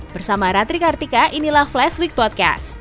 bersama ratrika artika inilah flash week podcast